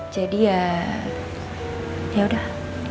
jadi ya yaudah